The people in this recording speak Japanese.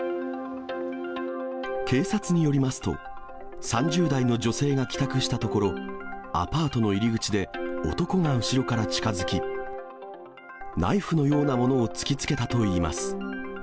警察によりますと、３０代の女性が帰宅したところ、アパートの入り口で男が後ろから近づき、ナイフのようなものを突きつけたといいます。